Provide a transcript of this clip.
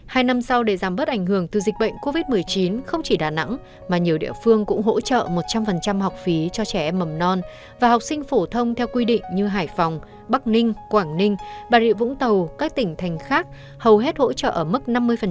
hai năm sau để giảm bớt ảnh hưởng từ dịch bệnh covid một mươi chín không chỉ đà nẵng mà nhiều địa phương cũng hỗ trợ một trăm linh học phí cho trẻ em mầm non và học sinh phổ thông theo quy định như hải phòng bắc ninh quảng ninh bà rịa vũng tàu các tỉnh thành khác hầu hết hỗ trợ ở mức năm mươi